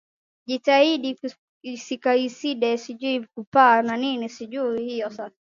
Jitihada zikasaidia nchi hiyo kupaa na kuwa moja ya nchi tajiri